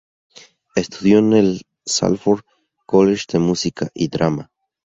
Estudió en el Salford College de Música y Drama.